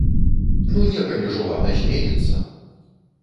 Ну некалі ж улада зменіцца!